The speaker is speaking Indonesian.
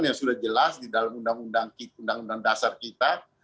yang sudah jelas di dalam undang undang dasar kita